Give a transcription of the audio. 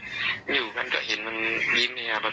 เพราะว่าผมอยู่กันผมก็ถึงขั้นอยู่ด้วยกันบ่อยเลยครับ